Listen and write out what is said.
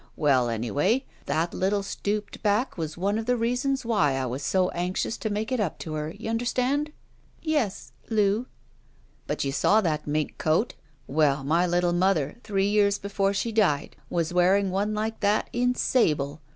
Well, anyway, that little stooped back was one of 14 SHE WALKS IN BEAUTY the reasons why I was so anxious to make it up to her. Y'understand ?'' "Yes— Loo:' But you saw that mink coat. Well, my little mother, three years before she died, was wearing one like that in sable.